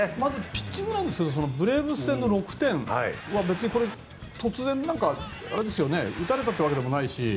ピッチングですがブレーブス戦の６点は別にこれ、突然打たれたってわけでもないし。